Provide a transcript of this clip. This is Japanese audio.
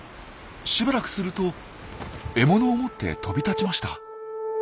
しばらくすると獲物を持って飛び立ちました。